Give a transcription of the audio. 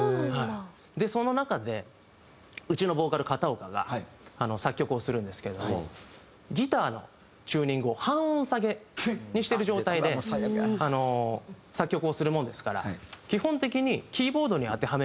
でその中でうちのボーカル片岡が作曲をするんですけれどもギターのチューニングを半音下げにしてる状態で作曲をするものですから基本的に。